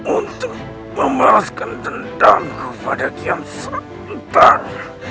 untuk membalaskan dendamku pada kiam santang